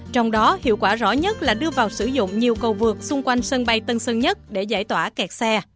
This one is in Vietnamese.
trong đó hiệu quả rõ nhất là đưa vào sử dụng nhiều cầu vượt xung quanh sân bay tân sơn nhất để giải tỏa kẹt xe